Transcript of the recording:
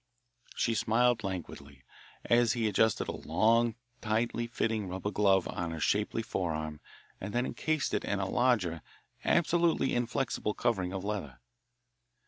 She smiled languidly, as he adjusted a long, tightly fitting rubber glove on her shapely forearm and then encased it in a larger, absolutely inflexible covering of leather.